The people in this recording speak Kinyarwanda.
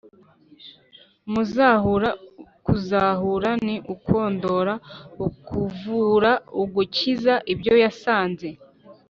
Umuzahura: kuzahura ni ukondora, ukuvura, ugukiza. Ibyo yasanze